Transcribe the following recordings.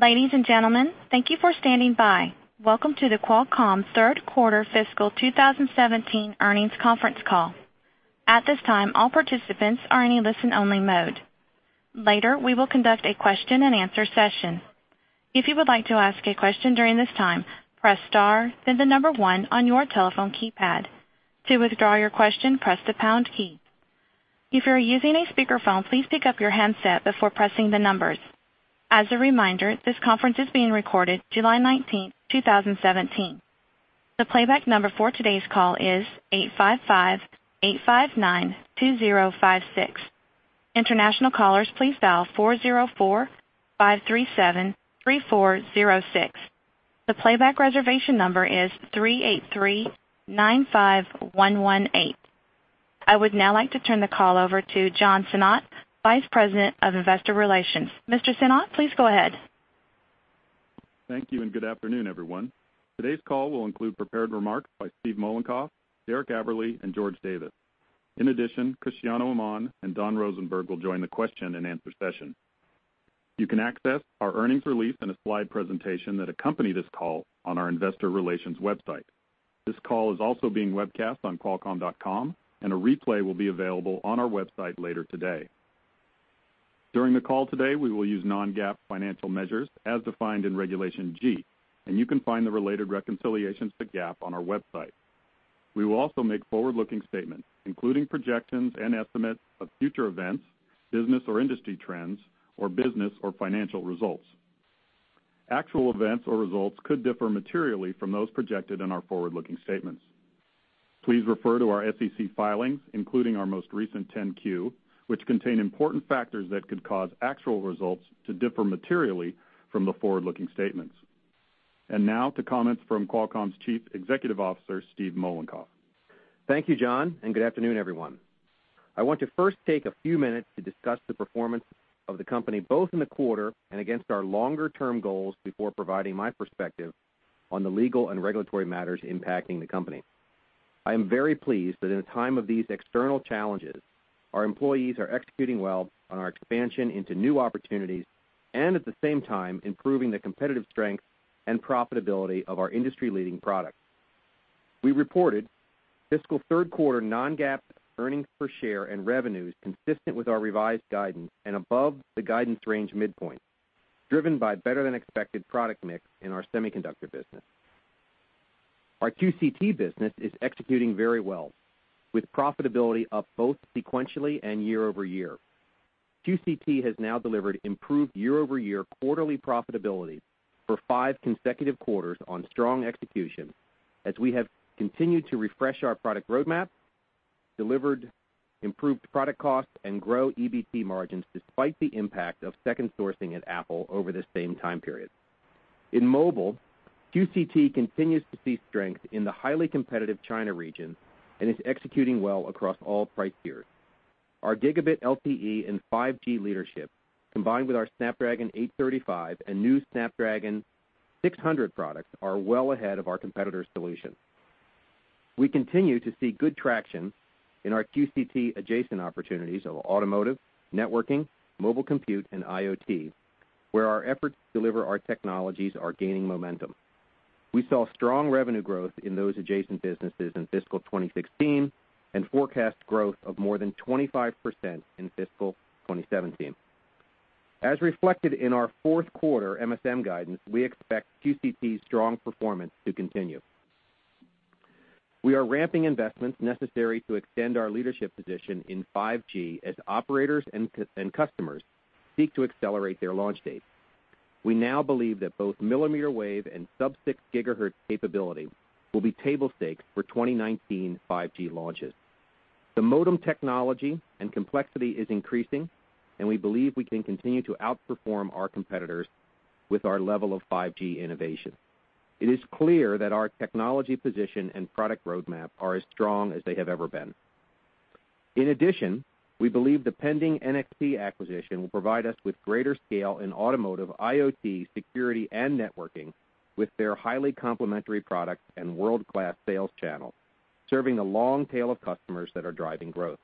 Ladies and gentlemen, thank you for standing by. Welcome to the Qualcomm Third Quarter Fiscal 2017 Earnings Conference Call. At this time, all participants are in a listen-only mode. Later, we will conduct a question-and-answer session. If you would like to ask a question during this time, press star then the number one on your telephone keypad. To withdraw your question, press the pound key. If you are using a speakerphone, please pick up your handset before pressing the numbers. As a reminder, this conference is being recorded July 19, 2017. The playback number for today's call is 855-859-2056. International callers, please dial 404-537-3406. The playback reservation number is 383-95118. I would now like to turn the call over to John Sinnott, Vice President of Investor Relations. Mr. Sinnott, please go ahead. Thank you. Good afternoon, everyone. Today's call will include prepared remarks by Steve Mollenkopf, Derek Aberle, and George Davis. In addition, Cristiano Amon and Don Rosenberg will join the question-and-answer session. You can access our earnings release and a slide presentation that accompany this call on our investor relations website. This call is also being webcast on qualcomm.com. A replay will be available on our website later today. During the call today, we will use non-GAAP financial measures as defined in Regulation G. You can find the related reconciliations to GAAP on our website. We will also make forward-looking statements, including projections and estimates of future events, business or industry trends, or business or financial results. Actual events or results could differ materially from those projected in our forward-looking statements. Please refer to our SEC filings, including our most recent 10-Q, which contain important factors that could cause actual results to differ materially from the forward-looking statements. Now to comments from Qualcomm's Chief Executive Officer, Steve Mollenkopf. Thank you, John. Good afternoon, everyone. I want to first take a few minutes to discuss the performance of the company, both in the quarter and against our longer-term goals before providing my perspective on the legal and regulatory matters impacting the company. I am very pleased that in a time of these external challenges, our employees are executing well on our expansion into new opportunities and at the same time improving the competitive strength and profitability of our industry-leading products. We reported fiscal third quarter non-GAAP earnings per share and revenues consistent with our revised guidance and above the guidance range midpoint, driven by better-than-expected product mix in our semiconductor business. Our QCT business is executing very well, with profitability up both sequentially and year-over-year. QCT has now delivered improved year-over-year quarterly profitability for five consecutive quarters on strong execution as we have continued to refresh our product roadmap, delivered improved product costs, and grow EBT margins despite the impact of second sourcing at Apple over the same time period. In mobile, QCT continues to see strength in the highly competitive China region and is executing well across all price tiers. Our Gigabit LTE and 5G leadership, combined with our Snapdragon 835 and new Snapdragon 600 products, are well ahead of our competitors' solutions. We continue to see good traction in our QCT adjacent opportunities of automotive, networking, mobile compute, and IoT, where our efforts to deliver our technologies are gaining momentum. We saw strong revenue growth in those adjacent businesses in fiscal 2016 and forecast growth of more than 25% in fiscal 2017. As reflected in our fourth quarter MSM guidance, we expect QCT's strong performance to continue. We are ramping investments necessary to extend our leadership position in 5G as operators and customers seek to accelerate their launch dates. We now believe that both mmWave and sub-6 GHz capability will be table stakes for 2019 5G launches. The modem technology and complexity is increasing, and we believe we can continue to outperform our competitors with our level of 5G innovation. It is clear that our technology position and product roadmap are as strong as they have ever been. In addition, we believe the pending NXP acquisition will provide us with greater scale in automotive, IoT, security, and networking with their highly complementary products and world-class sales channel, serving a long tail of customers that are driving growth.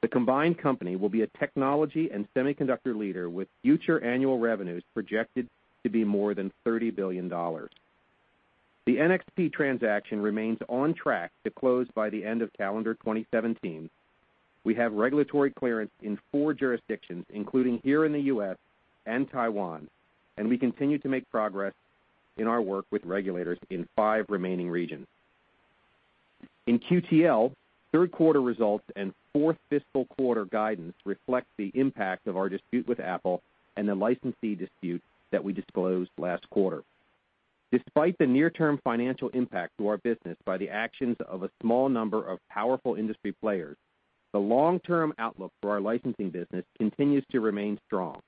The combined company will be a technology and semiconductor leader with future annual revenues projected to be more than $30 billion. The NXP transaction remains on track to close by the end of calendar 2017. We have regulatory clearance in four jurisdictions, including here in the U.S. and Taiwan, and we continue to make progress in our work with regulators in five remaining regions. In QTL, third quarter results and fourth fiscal quarter guidance reflect the impact of our dispute with Apple and the licensee dispute that we disclosed last quarter. Despite the near-term financial impact to our business by the actions of a small number of powerful industry players, the long-term outlook for our licensing business continues to remain strong.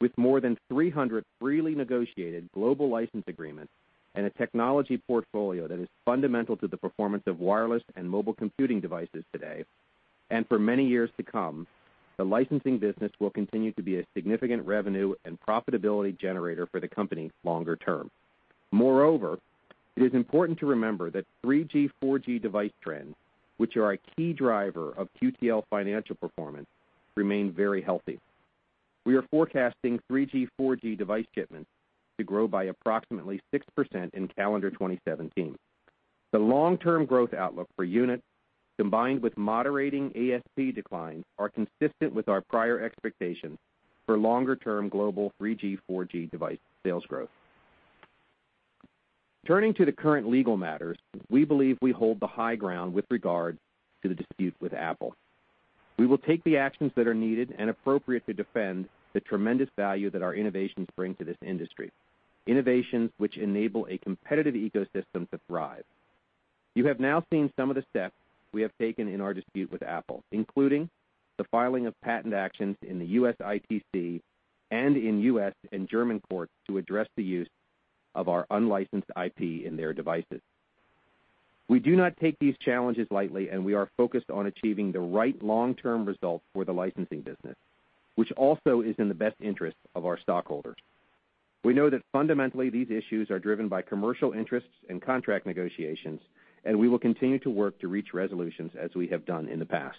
With more than 300 freely negotiated global license agreements and a technology portfolio that is fundamental to the performance of wireless and mobile computing devices today, and for many years to come, the licensing business will continue to be a significant revenue and profitability generator for the company longer term. Moreover, it is important to remember that 3G/4G device trends, which are a key driver of QTL financial performance, remain very healthy. We are forecasting 3G/4G device shipments to grow by approximately 6% in calendar 2017. The long-term growth outlook per unit, combined with moderating ASP declines, are consistent with our prior expectations for longer-term global 3G/4G device sales growth. Turning to the current legal matters, we believe we hold the high ground with regard to the dispute with Apple. We will take the actions that are needed and appropriate to defend the tremendous value that our innovations bring to this industry, innovations which enable a competitive ecosystem to thrive. You have now seen some of the steps we have taken in our dispute with Apple, including the filing of patent actions in the U.S. ITC and in U.S. and German courts to address the use of our unlicensed IP in their devices. We do not take these challenges lightly, and we are focused on achieving the right long-term result for the licensing business, which also is in the best interest of our stockholders. We know that fundamentally, these issues are driven by commercial interests and contract negotiations, and we will continue to work to reach resolutions as we have done in the past.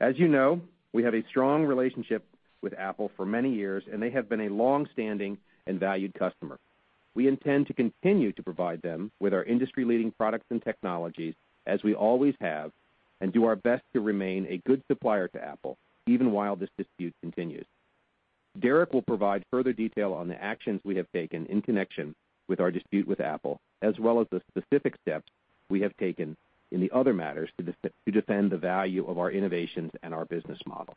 As you know, we have a strong relationship with Apple for many years, and they have been a long-standing and valued customer. We intend to continue to provide them with our industry-leading products and technologies as we always have and do our best to remain a good supplier to Apple, even while this dispute continues. Derek will provide further detail on the actions we have taken in connection with our dispute with Apple, as well as the specific steps we have taken in the other matters to defend the value of our innovations and our business model.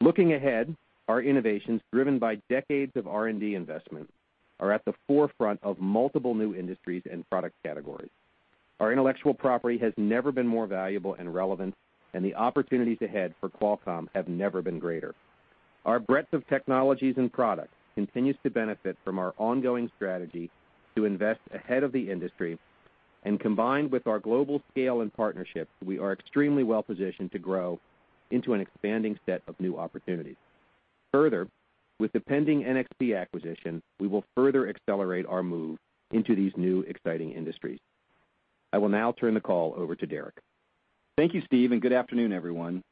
Looking ahead, our innovations, driven by decades of R&D investment, are at the forefront of multiple new industries and product categories. Our intellectual property has never been more valuable and relevant, and the opportunities ahead for Qualcomm have never been greater. Our breadth of technologies and products continues to benefit from our ongoing strategy to invest ahead of the industry, and combined with our global scale and partnerships, we are extremely well positioned to grow into an expanding set of new opportunities. Further, with the pending NXP acquisition, we will further accelerate our move into these new, exciting industries. I will now turn the call over to Derek. Thank you, Steve, and good afternoon, everyone.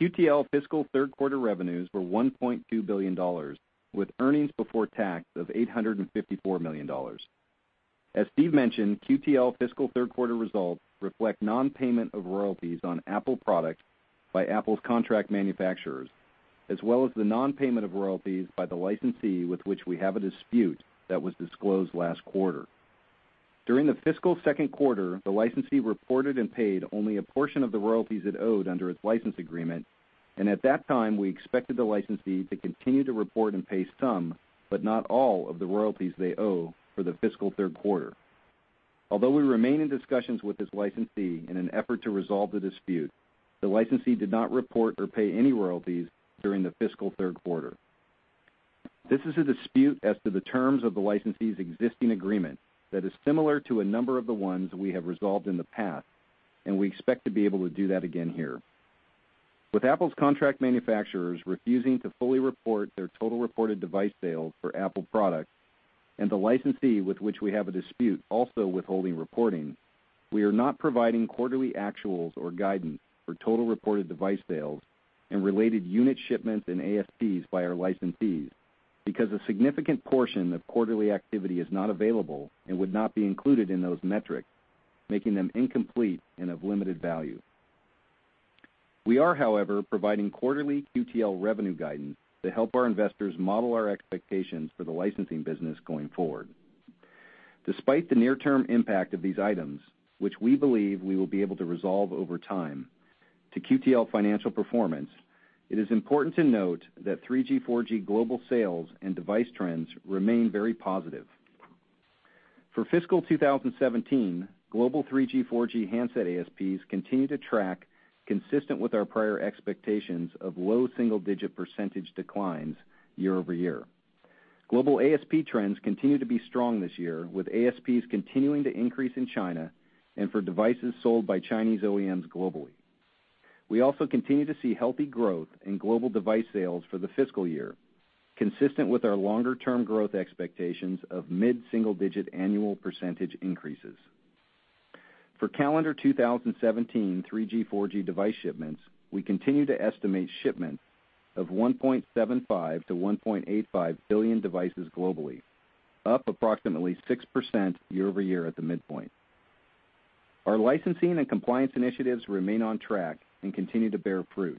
QTL fiscal third quarter revenues were $1.2 billion, with earnings before tax of $854 million. As Steve mentioned, QTL fiscal third quarter results reflect non-payment of royalties on Apple products by Apple's contract manufacturers, as well as the non-payment of royalties by the licensee with which we have a dispute that was disclosed last quarter. During the fiscal second quarter, the licensee reported and paid only a portion of the royalties it owed under its license agreement. At that time, we expected the licensee to continue to report and pay some, but not all of the royalties they owe for the fiscal third quarter. Although we remain in discussions with this licensee in an effort to resolve the dispute, the licensee did not report or pay any royalties during the fiscal third quarter. This is a dispute as to the terms of the licensee's existing agreement that is similar to a number of the ones we have resolved in the past, and we expect to be able to do that again here. With Apple's contract manufacturers refusing to fully report their total reported device sales for Apple products and the licensee with which we have a dispute also withholding reporting, we are not providing quarterly actuals or guidance for total reported device sales and related unit shipments and ASPs by our licensees because a significant portion of quarterly activity is not available and would not be included in those metrics, making them incomplete and of limited value. We are, however, providing quarterly QTL revenue guidance to help our investors model our expectations for the licensing business going forward. Despite the near-term impact of these items, which we believe we will be able to resolve over time, to QTL financial performance, it is important to note that 3G/4G global sales and device trends remain very positive. For fiscal 2017, global 3G/4G handset ASPs continue to track consistent with our prior expectations of low single-digit % declines year-over-year. Global ASP trends continue to be strong this year, with ASPs continuing to increase in China and for devices sold by Chinese OEMs globally. We also continue to see healthy growth in global device sales for the fiscal year, consistent with our longer-term growth expectations of mid-single-digit annual % increases. For calendar 2017 3G/4G device shipments, we continue to estimate shipments of 1.75 billion-1.85 billion devices globally, up approximately 6% year-over-year at the midpoint. Our licensing and compliance initiatives remain on track and continue to bear fruit.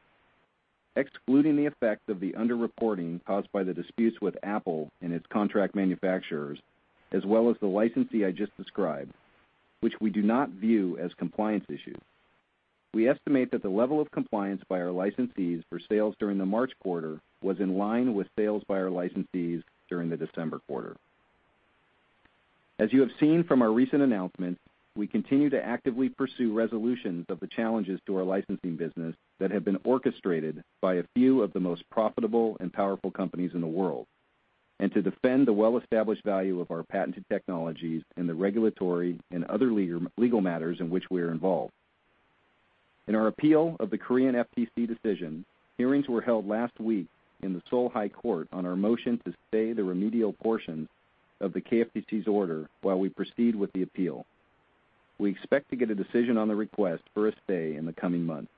Excluding the effect of the under-reporting caused by the disputes with Apple and its contract manufacturers, as well as the licensee I just described, which we do not view as compliance issues, we estimate that the level of compliance by our licensees for sales during the March quarter was in line with sales by our licensees during the December quarter. As you have seen from our recent announcements, we continue to actively pursue resolutions of the challenges to our licensing business that have been orchestrated by a few of the most profitable and powerful companies in the world, and to defend the well-established value of our patented technologies in the regulatory and other legal matters in which we are involved. In our appeal of the Korean FTC decision, hearings were held last week in the Seoul High Court on our motion to stay the remedial portions of the KFTC's order while we proceed with the appeal. We expect to get a decision on the request for a stay in the coming months.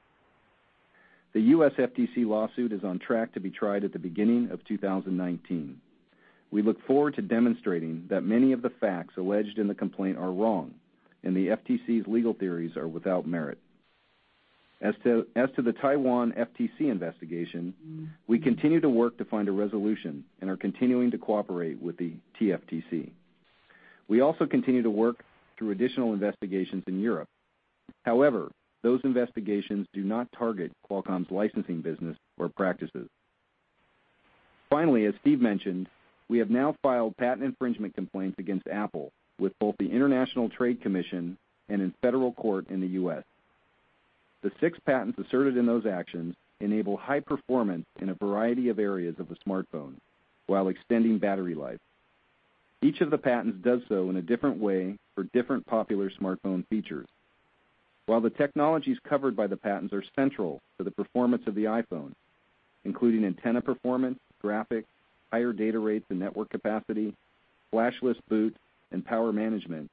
The U.S. FTC lawsuit is on track to be tried at the beginning of 2019. We look forward to demonstrating that many of the facts alleged in the complaint are wrong and the FTC's legal theories are without merit. As to the Taiwan FTC investigation, we continue to work to find a resolution and are continuing to cooperate with the TFTC. We also continue to work through additional investigations in Europe. However, those investigations do not target Qualcomm's licensing business or practices. Finally, as Steve mentioned, we have now filed patent infringement complaints against Apple with both the International Trade Commission and in federal court in the U.S. The six patents asserted in those actions enable high performance in a variety of areas of a smartphone while extending battery life. Each of the patents does so in a different way for different popular smartphone features. While the technologies covered by the patents are central to the performance of the iPhone, including antenna performance, graphics, higher data rates and network capacity, flashless boot, and power management,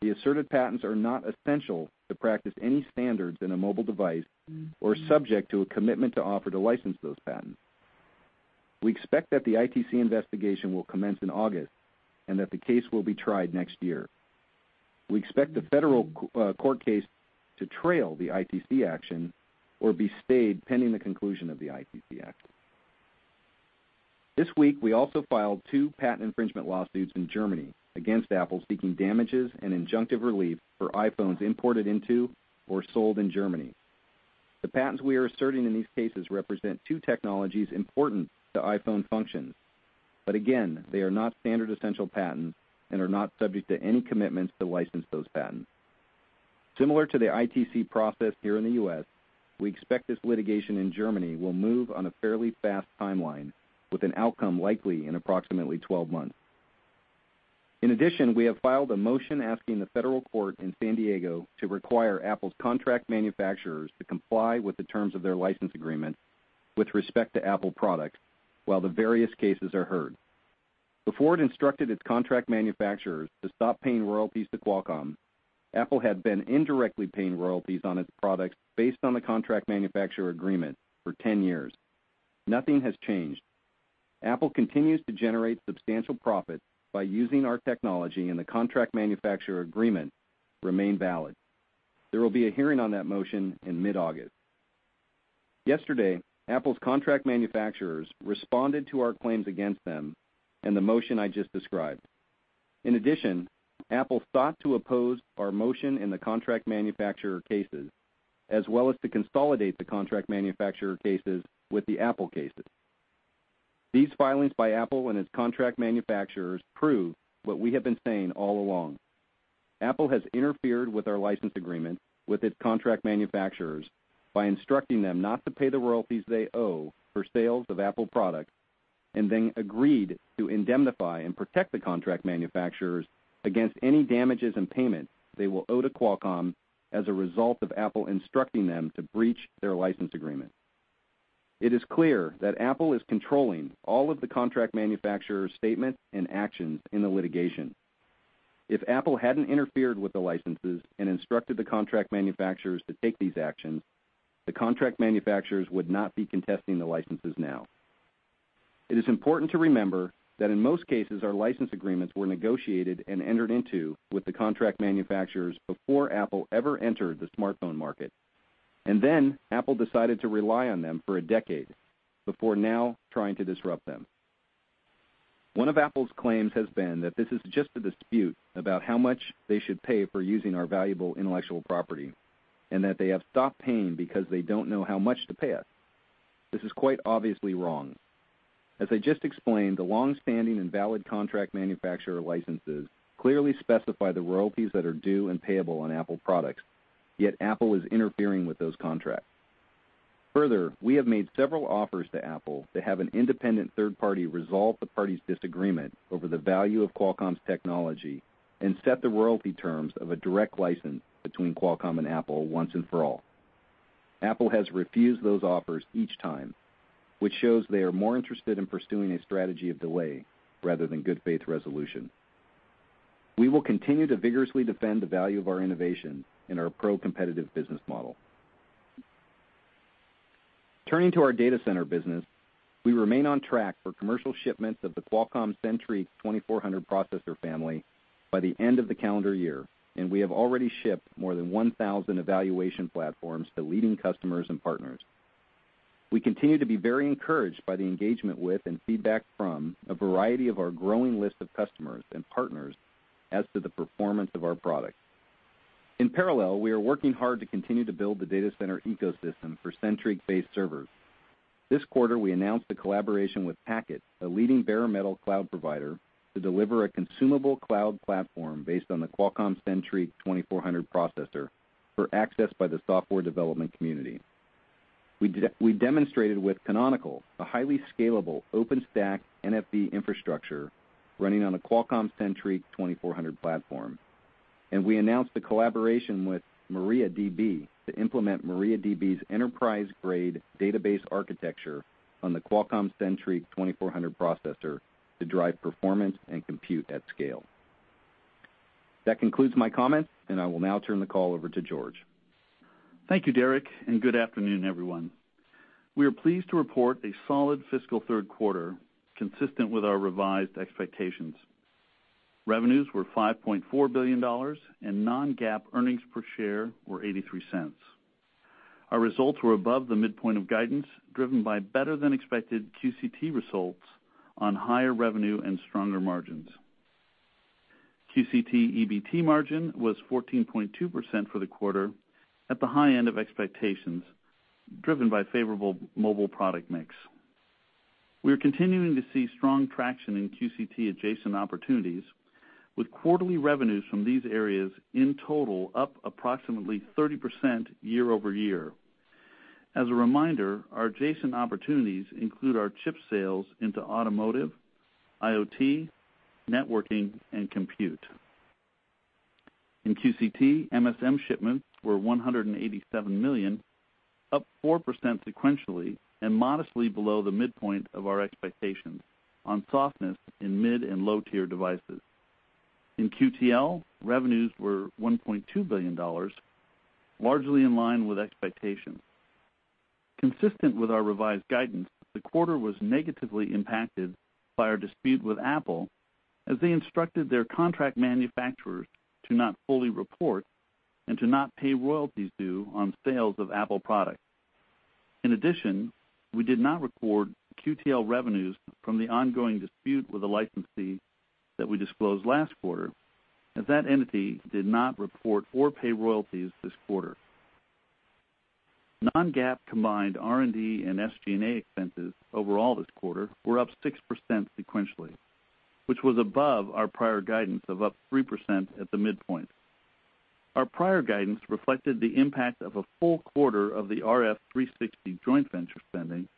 the asserted patents are not essential to practice any standards in a mobile device or subject to a commitment to offer to license those patents. We expect that the ITC investigation will commence in August, and that the case will be tried next year. We expect the federal court case to trail the ITC action or be stayed pending the conclusion of the ITC action. This week, we also filed two patent infringement lawsuits in Germany against Apple, seeking damages and injunctive relief for iPhones imported into or sold in Germany. The patents we are asserting in these cases represent two technologies important to iPhone functions, but again, they are not standard essential patents and are not subject to any commitments to license those patents. Similar to the ITC process here in the U.S., we expect this litigation in Germany will move on a fairly fast timeline with an outcome likely in approximately 12 months. In addition, we have filed a motion asking the federal court in San Diego to require Apple's contract manufacturers to comply with the terms of their license agreement with respect to Apple products while the various cases are heard. Before it instructed its contract manufacturers to stop paying royalties to Qualcomm, Apple had been indirectly paying royalties on its products based on the contract manufacturer agreement for 10 years. Nothing has changed. Apple continues to generate substantial profit by using our technology, and the contract manufacturer agreement remain valid. There will be a hearing on that motion in mid-August. Yesterday, Apple's contract manufacturers responded to our claims against them and the motion I just described. Apple sought to oppose our motion in the contract manufacturer cases, as well as to consolidate the contract manufacturer cases with the Apple cases. These filings by Apple and its contract manufacturers prove what we have been saying all along. Apple has interfered with our license agreement with its contract manufacturers by instructing them not to pay the royalties they owe for sales of Apple products, and then agreed to indemnify and protect the contract manufacturers against any damages and payment they will owe to Qualcomm as a result of Apple instructing them to breach their license agreement. It is clear that Apple is controlling all of the contract manufacturers' statements and actions in the litigation. If Apple hadn't interfered with the licenses and instructed the contract manufacturers to take these actions, the contract manufacturers would not be contesting the licenses now. It is important to remember that in most cases, our license agreements were negotiated and entered into with the contract manufacturers before Apple ever entered the smartphone market. Apple decided to rely on them for a decade before now trying to disrupt them. One of Apple's claims has been that this is just a dispute about how much they should pay for using our valuable intellectual property, that they have stopped paying because they don't know how much to pay us. This is quite obviously wrong. As I just explained, the longstanding and valid contract manufacturer licenses clearly specify the royalties that are due and payable on Apple products, yet Apple is interfering with those contracts. Further, we have made several offers to Apple to have an independent third party resolve the parties' disagreement over the value of Qualcomm's technology and set the royalty terms of a direct license between Qualcomm and Apple once and for all. Apple has refused those offers each time, which shows they are more interested in pursuing a strategy of delay rather than good faith resolution. We will continue to vigorously defend the value of our innovation and our pro-competitive business model. Turning to our data center business, we remain on track for commercial shipments of the Qualcomm Centriq 2400 processor family by the end of the calendar year, we have already shipped more than 1,000 evaluation platforms to leading customers and partners. We continue to be very encouraged by the engagement with and feedback from a variety of our growing list of customers and partners as to the performance of our products. In parallel, we are working hard to continue to build the data center ecosystem for Centriq-based servers. This quarter, we announced a collaboration with Packet, a leading bare metal cloud provider, to deliver a consumable cloud platform based on the Qualcomm Centriq 2400 processor for access by the software development community. We demonstrated with Canonical a highly scalable OpenStack NFV infrastructure running on a Qualcomm Centriq 2400 platform. We announced a collaboration with MariaDB to implement MariaDB's enterprise-grade database architecture on the Qualcomm Centriq 2400 processor to drive performance and compute at scale. That concludes my comments, and I will now turn the call over to George. Thank you, Derek, and good afternoon, everyone. We are pleased to report a solid fiscal third quarter consistent with our revised expectations. Revenues were $5.4 billion, and non-GAAP earnings per share were $0.83. Our results were above the midpoint of guidance, driven by better than expected QCT results on higher revenue and stronger margins. QCT EBT margin was 14.2% for the quarter at the high end of expectations, driven by favorable mobile product mix. We are continuing to see strong traction in QCT adjacent opportunities, with quarterly revenues from these areas in total up approximately 30% year-over-year. As a reminder, our adjacent opportunities include our chip sales into automotive, IoT, networking, and compute. In QCT, MSM shipments were 187 million, up 4% sequentially and modestly below the midpoint of our expectations on softness in mid and low-tier devices. In QTL, revenues were $1.2 billion, largely in line with expectations. Consistent with our revised guidance, the quarter was negatively impacted by our dispute with Apple as they instructed their contract manufacturers to not fully report and to not pay royalties due on sales of Apple products. In addition, we did not record QTL revenues from the ongoing dispute with a licensee that we disclosed last quarter, as that entity did not report or pay royalties this quarter. Non-GAAP combined R&D and SG&A expenses overall this quarter were up 6% sequentially, which was above our prior guidance of up 3% at the midpoint. Our prior guidance reflected the impact of a full quarter of the RF360 joint venture spending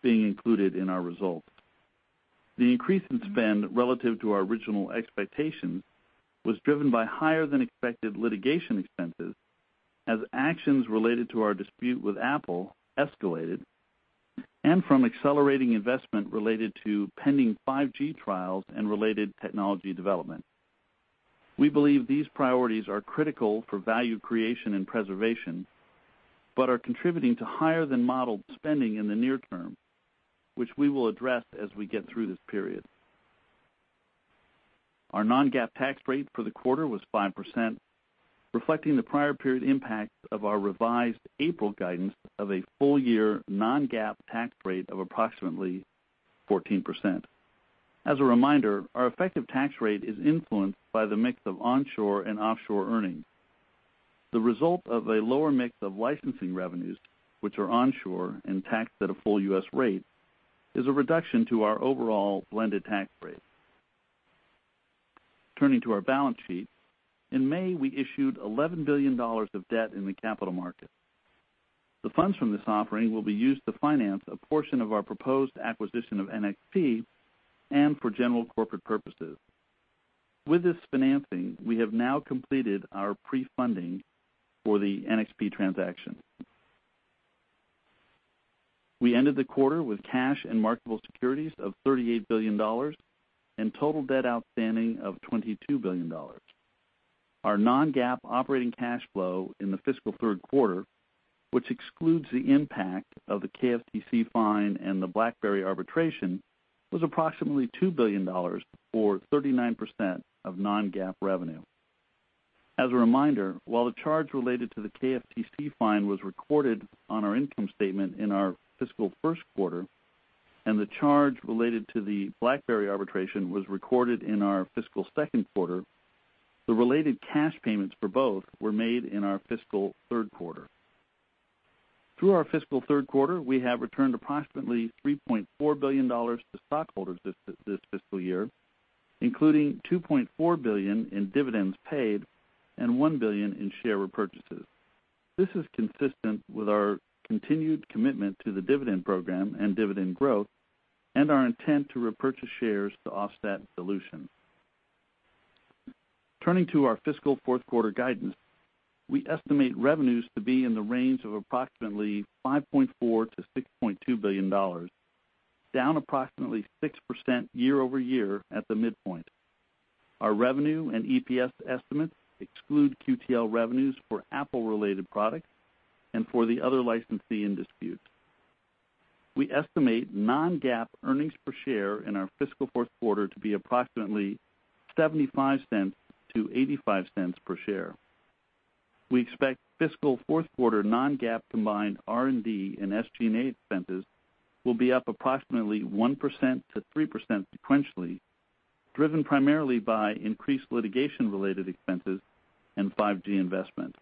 being included in our results. The increase in spend relative to our original expectations was driven by higher than expected litigation expenses as actions related to our dispute with Apple escalated and from accelerating investment related to pending 5G trials and related technology development. We believe these priorities are critical for value creation and preservation, but are contributing to higher than modeled spending in the near term, which we will address as we get through this period. Our non-GAAP tax rate for the quarter was 5%, reflecting the prior period impact of our revised April guidance of a full-year non-GAAP tax rate of approximately 14%. As a reminder, our effective tax rate is influenced by the mix of onshore and offshore earnings. The result of a lower mix of licensing revenues, which are onshore and taxed at a full U.S. rate, is a reduction to our overall blended tax rate. Turning to our balance sheet. In May, we issued $11 billion of debt in the capital market. The funds from this offering will be used to finance a portion of our proposed acquisition of NXP and for general corporate purposes. With this financing, we have now completed our pre-funding for the NXP transaction. We ended the quarter with cash and marketable securities of $38 billion and total debt outstanding of $22 billion. Our non-GAAP operating cash flow in the fiscal third quarter, which excludes the impact of the KFTC fine and the BlackBerry arbitration, was approximately $2 billion, or 39% of non-GAAP revenue. As a reminder, while the charge related to the KFTC fine was recorded on our income statement in our fiscal first quarter, and the charge related to the BlackBerry arbitration was recorded in our fiscal second quarter, the related cash payments for both were made in our fiscal third quarter. Through our fiscal third quarter, we have returned approximately $3.4 billion to stockholders this fiscal year, including $2.4 billion in dividends paid and $1 billion in share repurchases. This is consistent with our continued commitment to the dividend program and dividend growth and our intent to repurchase shares to offset dilution. Turning to our fiscal fourth quarter guidance, we estimate revenues to be in the range of approximately $5.4 billion-$6.2 billion, down approximately 6% year-over-year at the midpoint. Our revenue and EPS estimates exclude QTL revenues for Apple-related products and for the other licensee in dispute. We estimate non-GAAP earnings per share in our fiscal fourth quarter to be approximately $0.75-$0.85 per share. We expect fiscal fourth quarter non-GAAP combined R&D and SG&A expenses will be up approximately 1%-3% sequentially, driven primarily by increased litigation-related expenses and 5G investment.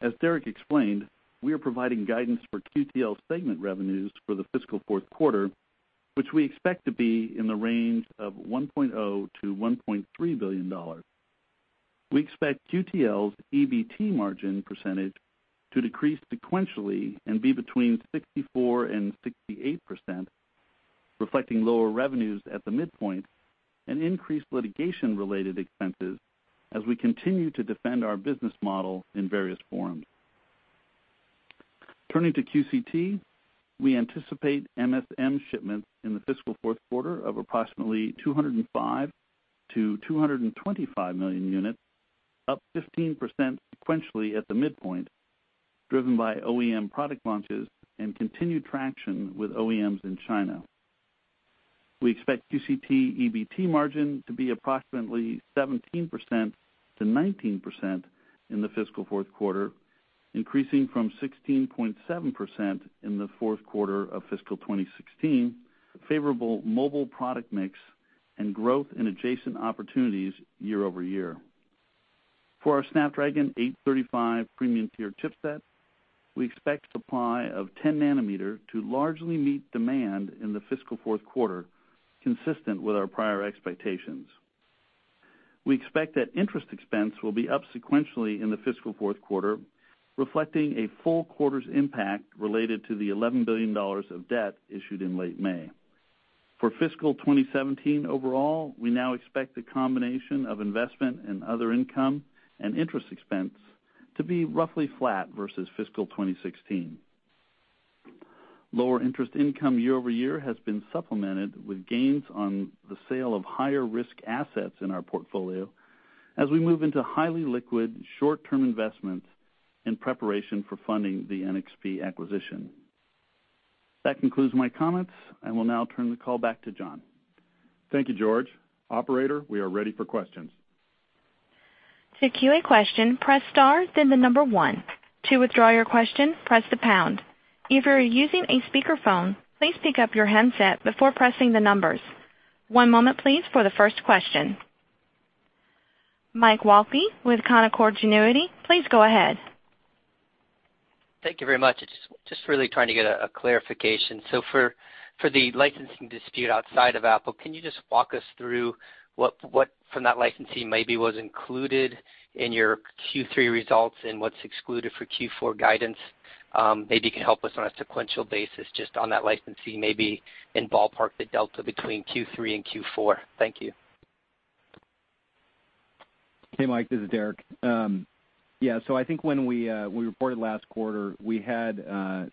As Derek explained, we are providing guidance for QTL segment revenues for the fiscal fourth quarter, which we expect to be in the range of $1.0 billion-$1.3 billion. We expect QTL's EBT margin percentage to decrease sequentially and be between 64% and 68%, reflecting lower revenues at the midpoint and increased litigation-related expenses as we continue to defend our business model in various forums. Turning to QCT, we anticipate MSM shipments in the fiscal fourth quarter of approximately 205 million-225 million units, up 15% sequentially at the midpoint, driven by OEM product launches and continued traction with OEMs in China. We expect QCT EBT margin to be approximately 17%-19% in the fiscal fourth quarter, increasing from 16.7% in the fourth quarter of fiscal 2016, favorable mobile product mix, and growth in adjacent opportunities year-over-year. For our Snapdragon 835 premium-tier chipset, we expect supply of 10 nanometer to largely meet demand in the fiscal fourth quarter, consistent with our prior expectations. We expect that interest expense will be up sequentially in the fiscal fourth quarter, reflecting a full quarter's impact related to the $11 billion of debt issued in late May. For fiscal 2017 overall, we now expect the combination of investment and other income and interest expense to be roughly flat versus fiscal 2016. Lower interest income year-over-year has been supplemented with gains on the sale of higher-risk assets in our portfolio as we move into highly liquid, short-term investments in preparation for funding the NXP acquisition. That concludes my comments. I will now turn the call back to John. Thank you, George. Operator, we are ready for questions. To Q&A a question, press star, then the number one. To withdraw your question, press the pound. If you're using a speakerphone, please pick up your handset before pressing the numbers. One moment, please, for the first question. Mike Walkley with Canaccord Genuity, please go ahead. Thank you very much. Just really trying to get a clarification. For the licensing dispute outside of Apple, can you just walk us through what from that licensee maybe was included in your Q3 results and what's excluded for Q4 guidance? Maybe you can help us on a sequential basis just on that licensee, maybe and ballpark the delta between Q3 and Q4. Thank you. Hey, Mike, this is Derek. I think when we reported last quarter, we had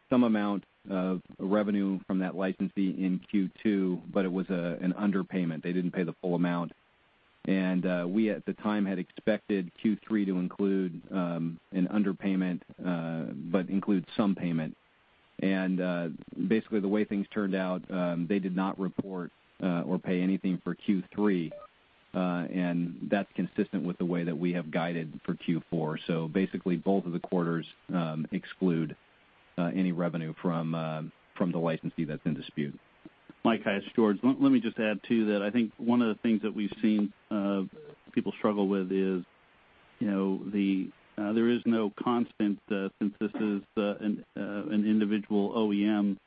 some amount of revenue from that licensee in Q2, but it was an underpayment. They didn't pay the full amount. We at the time had expected Q3 to include an underpayment, but include some payment. The way things turned out, they did not report or pay anything for Q3, and that's consistent with the way that we have guided for Q4. Both of the quarters exclude any revenue from the licensee that's in dispute. Mike, hi, it's George. Let me just add to that. I think one of the things that we've seen people struggle with is there is no constant since this is an individual OEM.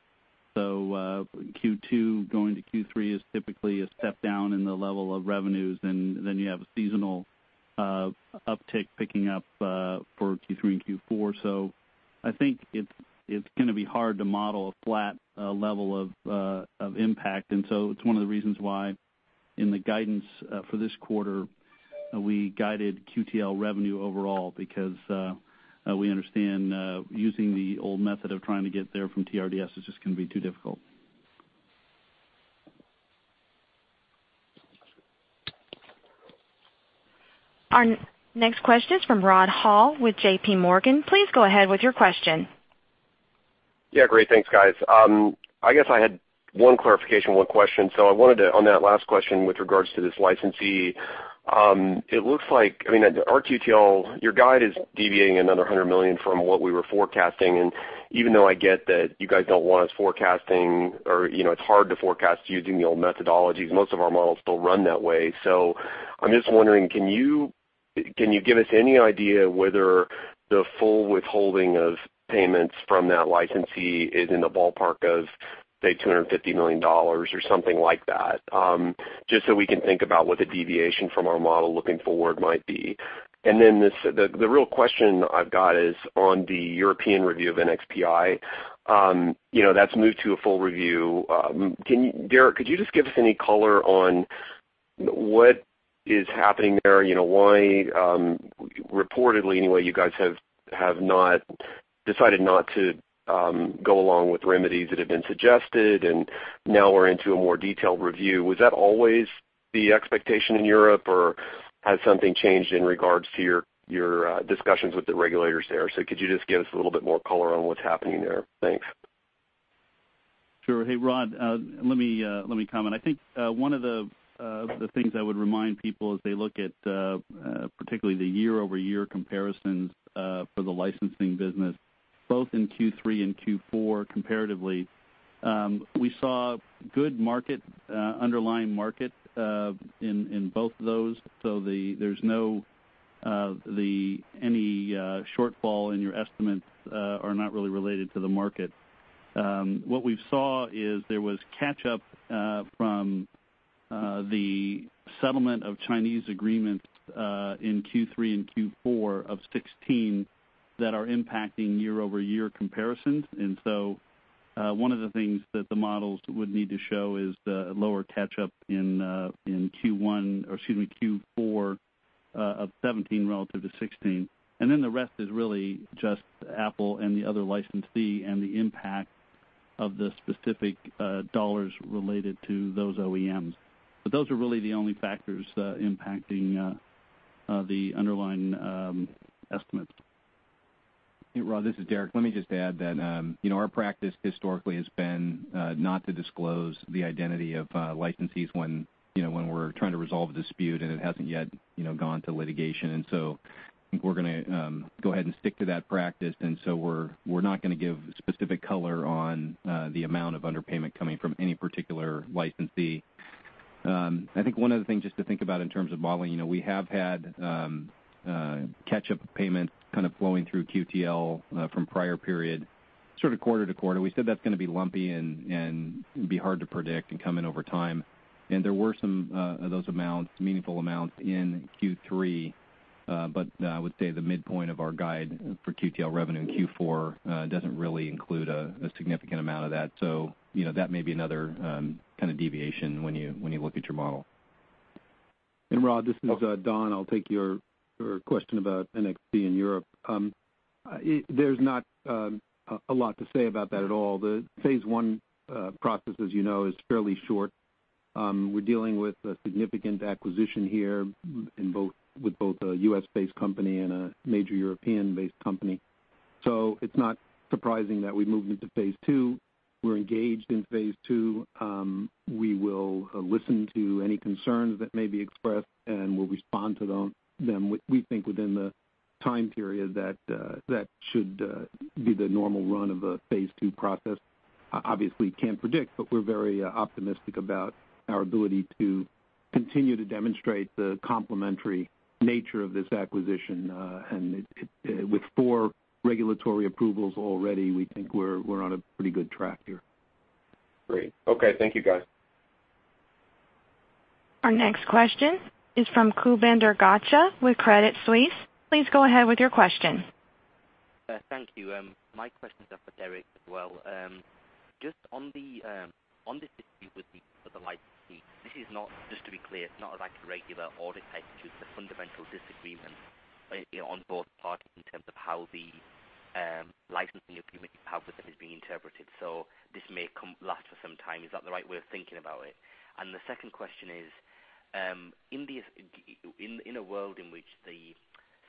Q2 going to Q3 is typically a step down in the level of revenues, then you have a seasonal uptick picking up for Q3 and Q4. I think it's going to be hard to model a flat level of impact, it's one of the reasons why in the guidance for this quarter, we guided QTL revenue overall because we understand using the old method of trying to get there from TRDS is just going to be too difficult. Our next question is from Rod Hall with J.P. Morgan. Please go ahead with your question. Great. Thanks, guys. I guess I had one clarification, one question. I wanted to, on that last question with regards to this licensee, it looks like our QTL, your guide is deviating another $100 million from what we were forecasting. Even though I get that you guys don't want us forecasting or it's hard to forecast using the old methodologies, most of our models still run that way. I'm just wondering, can you give us any idea whether the full withholding of payments from that licensee is in the ballpark of, say, $250 million or something like that? Just so we can think about what the deviation from our model looking forward might be. The real question I've got is on the European review of NXPI. That's moved to a full review. Derek, could you just give us any color on what is happening there? Why, reportedly anyway, you guys have decided not to go along with remedies that have been suggested, and now we're into a more detailed review. Was that always the expectation in Europe, or has something changed in regards to your discussions with the regulators there? Could you just give us a little bit more color on what's happening there? Thanks. Sure. Hey, Rod, let me comment. I think one of the things I would remind people as they look at particularly the year-over-year comparisons for the licensing business, both in Q3 and Q4 comparatively, we saw good underlying market in both of those. Any shortfall in your estimates are not really related to the market. What we saw is there was catch-up from the settlement of Chinese agreements in Q3 and Q4 of 2016 that are impacting year-over-year comparisons. One of the things that the models would need to show is the lower catch-up in Q4 of 2017 relative to 2016. The rest is really just Apple and the other licensee and the impact of the specific dollars related to those OEMs. Those are really the only factors impacting the underlying estimates. Hey, Rod, this is Derek. Let me just add that our practice historically has been not to disclose the identity of licensees when we're trying to resolve a dispute and it hasn't yet gone to litigation. I think we're going to go ahead and stick to that practice. We're not going to give specific color on the amount of underpayment coming from any particular licensee. I think one of the things just to think about in terms of modeling, we have had catch-up payments kind of flowing through QTL from prior period, sort of quarter-to-quarter. We said that's going to be lumpy and be hard to predict and come in over time. There were some of those meaningful amounts in Q3. I would say the midpoint of our guide for QTL revenue in Q4 doesn't really include a significant amount of that. That may be another kind of deviation when you look at your model. Rod, this is Don. I will take your question about NXP in Europe. There is not a lot to say about that at all. The phase one process, as you know, is fairly short. We are dealing with a significant acquisition here with both a U.S.-based company and a major European-based company. It is not surprising that we have moved into phase two. We are engaged in phase two. We will listen to any concerns that may be expressed, and we will respond to them, we think, within the time period that should be the normal run of a phase two process. Obviously, can not predict, but we are very optimistic about our ability to continue to demonstrate the complementary nature of this acquisition. With four regulatory approvals already, we think we are on a pretty good track here. Great. Okay. Thank you, guys. Our next question is from Kulbinder Garcha with Credit Suisse. Please go ahead with your question. Thank you. My questions are for Derek as well. On the dispute with the licensee, just to be clear, it's not like a regular audit type dispute. It's a fundamental disagreement on both parties in terms of how the licensing agreement, how the license is being interpreted. This may last for some time. Is that the right way of thinking about it? The second question is, in a world in which the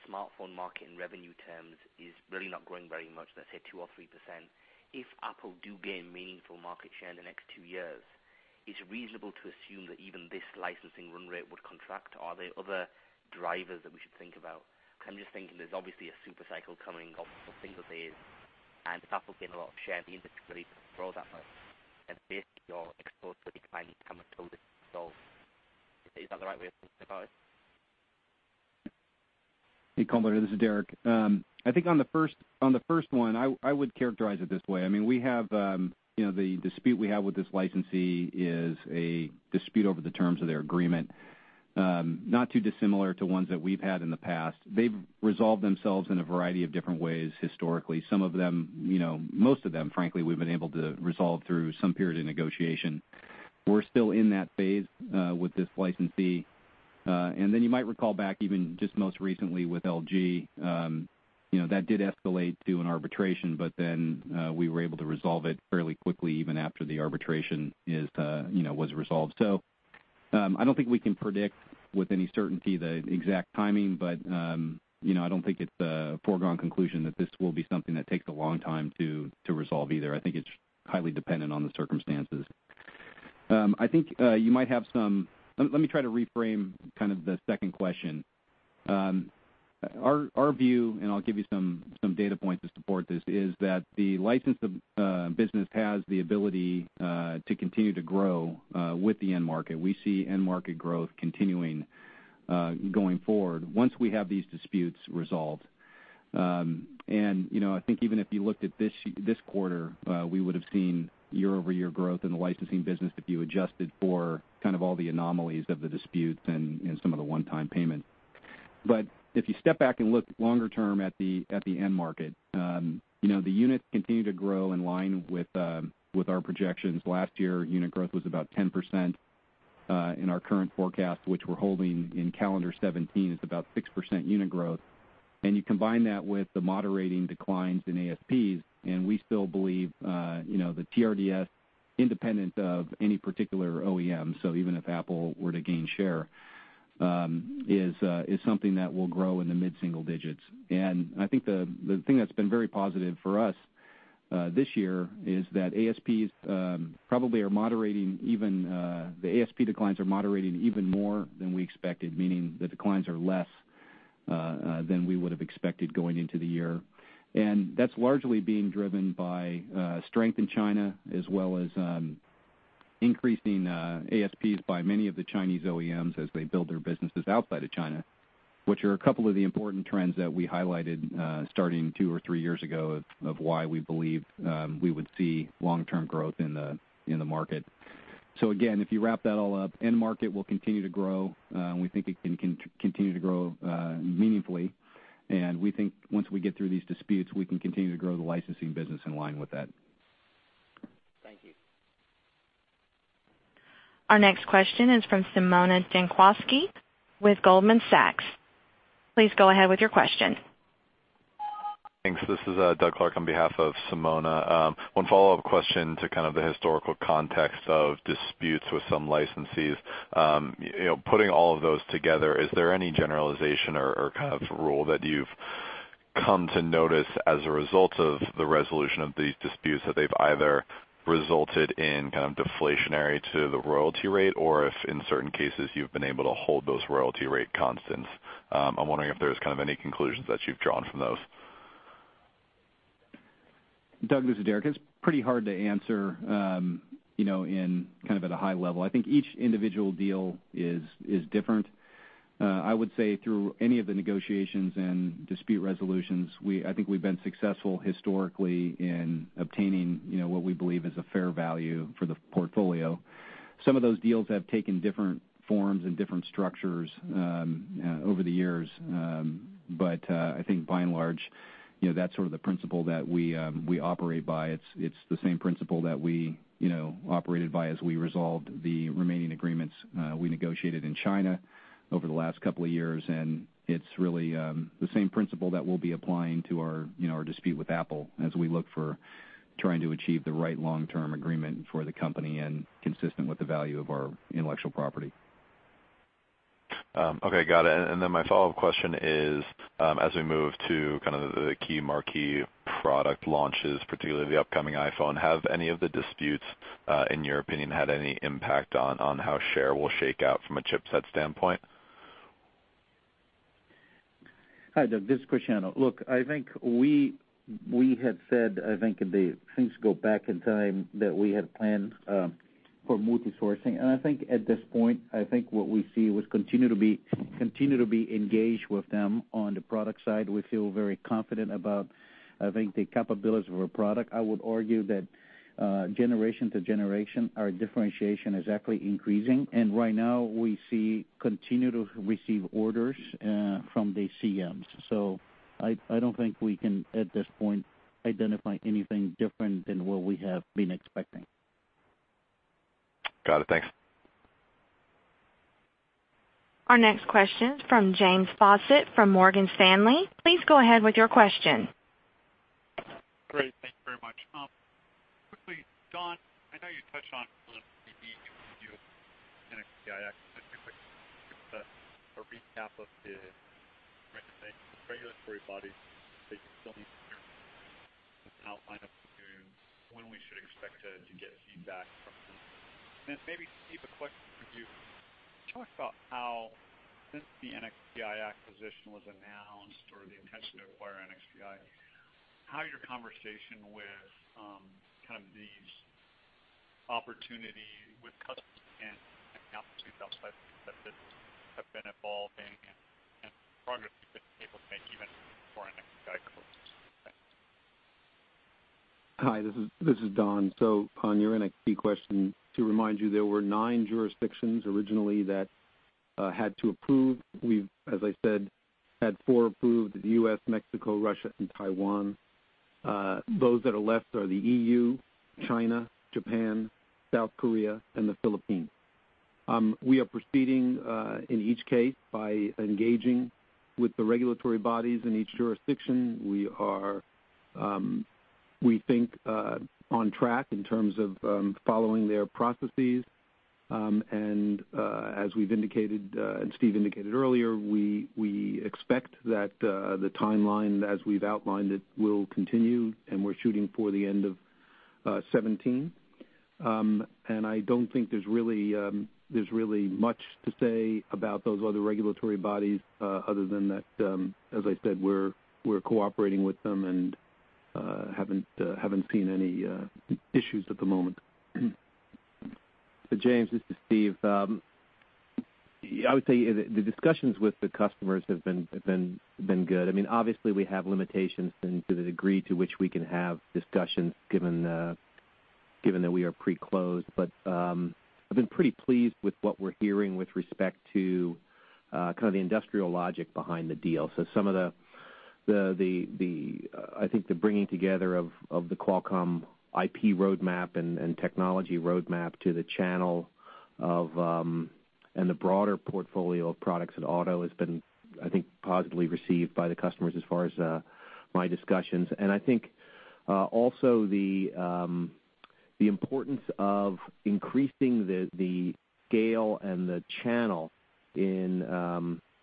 smartphone market in revenue terms is really not growing very much, let's say 2% or 3%, if Apple do gain meaningful market share in the next two years, is it reasonable to assume that even this licensing run rate would contract? Are there other drivers that we should think about? I'm just thinking there's obviously a super cycle coming off of single-digit, and if Apple gain a lot of share, the industry could really grow that much. Basically, you're exposed to a declining TAM until this is resolved. Is that the right way of thinking about it? Hey, Kulbinder, this is Derek. I think on the first one, I would characterize it this way. The dispute we have with this licensee is a dispute over the terms of their agreement. Not too dissimilar to ones that we've had in the past. They've resolved themselves in a variety of different ways historically. Most of them, frankly, we've been able to resolve through some period of negotiation. We're still in that phase with this licensee. And then you might recall back even just most recently with LG, that did escalate to an arbitration, but then we were able to resolve it fairly quickly even after the arbitration was resolved. I don't think we can predict with any certainty the exact timing, but I don't think it's a foregone conclusion that this will be something that takes a long time to resolve either. I think it's highly dependent on the circumstances. Let me try to reframe kind of the second question. Our view, and I'll give you some data points to support this, is that the license business has the ability to continue to grow with the end market. We see end market growth continuing going forward once we have these disputes resolved. I think even if you looked at this quarter, we would've seen year-over-year growth in the licensing business if you adjusted for kind of all the anomalies of the disputes and some of the one-time payment. If you step back and look longer term at the end market, the units continue to grow in line with our projections. Last year, unit growth was about 10%. In our current forecast, which we're holding in calendar 2017, is about 6% unit growth. You combine that with the moderating declines in ASPs, we still believe the TRDS, independent of any particular OEM, so even if Apple were to gain share, is something that will grow in the mid-single digits. I think the thing that's been very positive for us this year is that the ASP declines are moderating even more than we expected, meaning the declines are less than we would've expected going into the year. That's largely being driven by strength in China as well as increasing ASPs by many of the Chinese OEMs as they build their businesses outside of China, which are a couple of the important trends that we highlighted starting two or three years ago of why we believe we would see long-term growth in the market. Again, if you wrap that all up, end market will continue to grow, we think it can continue to grow meaningfully, we think once we get through these disputes, we can continue to grow the licensing business in line with that. Thank you. Our next question is from Simona Jankowski with Goldman Sachs. Please go ahead with your question. Thanks. This is Doug Clark on behalf of Simona. One follow-up question to kind of the historical context of disputes with some licensees. Putting all of those together, is there any generalization or kind of rule that you've come to notice as a result of the resolution of these disputes, that they've either resulted in kind of deflationary to the royalty rate or if, in certain cases, you've been able to hold those royalty rate constants? I'm wondering if there's kind of any conclusions that you've drawn from those. Doug, this is Derek. It's pretty hard to answer in kind of at a high level. I think each individual deal is different. I would say through any of the negotiations and dispute resolutions, I think we've been successful historically in obtaining what we believe is a fair value for the portfolio. Some of those deals have taken different forms and different structures over the years. I think by and large, that's sort of the principle that we operate by. It's the same principle that we operated by as we resolved the remaining agreements we negotiated in China over the last couple of years, and it's really the same principle that we'll be applying to our dispute with Apple as we look for trying to achieve the right long-term agreement for the company and consistent with the value of our intellectual property. Okay, got it. My follow-up question is, as we move to kind of the key marquee product launches, particularly the upcoming iPhone, have any of the disputes, in your opinion, had any impact on how share will shake out from a chipset standpoint? Hi, Doug, this is Cristiano. Look, I think we had said, I think if the things go back in time, that we had planned for multi-sourcing. I think at this point, I think what we see was continue to be engaged with them on the product side. We feel very confident about, I think, the capabilities of our product. I would argue that generation to generation, our differentiation is actually increasing, and right now we see continue to receive orders from the CMs. I don't think we can, at this point, identify anything different than what we have been expecting. Got it. Thanks. Our next question from James Faucette from Morgan Stanley. Please go ahead with your question. Great. Thank you very much. Quickly, Don, I know you touched on a little bit the NXP deal and the NXP acquisition. Just a quick recap of the regulatory bodies that you still need to hear from, and an outline of when we should expect to get feedback from them. Maybe Steve, a question for you. Can you talk about how, since the NXP acquisition was announced or the intention to acquire NXP, how your conversation with kind of these opportunity with customers and accounts outside the chipset business have been evolving and progress you've been able to make even before NXP closes? Thanks. Hi, this is Don. On your NXP question, to remind you, there were nine jurisdictions originally that had to approve. We've, as I said, had four approved, the U.S., Mexico, Russia, and Taiwan. Those that are left are the EU, China, Japan, South Korea, and the Philippines. We are proceeding in each case by engaging with the regulatory bodies in each jurisdiction. We are, we think, on track in terms of following their processes. As we've indicated, and Steve indicated earlier, we expect that the timeline as we've outlined it will continue, and we're shooting for the end of 2017. I don't think there's really much to say about those other regulatory bodies other than that, as I said, we're cooperating with them and haven't seen any issues at the moment. James, this is Steve. I would say the discussions with the customers have been good. Obviously, we have limitations to the degree to which we can have discussions given that we are pre-closed. I've been pretty pleased with what we're hearing with respect to kind of the industrial logic behind the deal. I think the bringing together of the Qualcomm IP roadmap and technology roadmap to the channel and the broader portfolio of products in auto has been, I think, positively received by the customers as far as my discussions. I think also the importance of increasing the scale and the channel in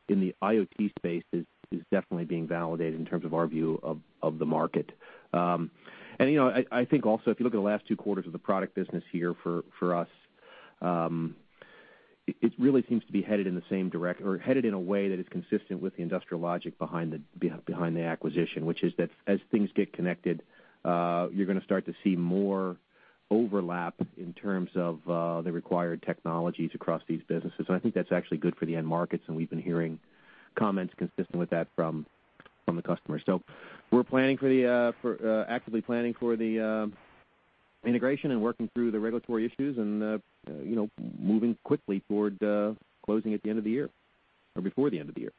the IoT space is definitely being validated in terms of our view of the market. I think also, if you look at the last two quarters of the product business here for us It really seems to be headed in the same direction or headed in a way that is consistent with the industrial logic behind the acquisition, which is that as things get connected, you're going to start to see more overlap in terms of the required technologies across these businesses. I think that's actually good for the end markets. We've been hearing comments consistent with that from the customer. We're actively planning for the integration and working through the regulatory issues and moving quickly toward closing at the end of the year or before the end of the year.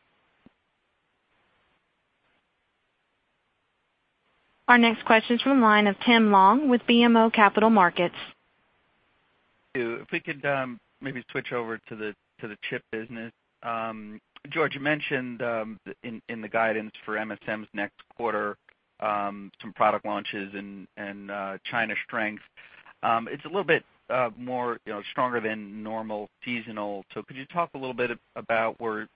Our next question's from the line of Tim Long with BMO Capital Markets. If we could maybe switch over to the chip business. George, you mentioned in the guidance for MSMs next quarter some product launches and China strength. It's a little bit stronger than normal seasonal. Could you talk a little bit about was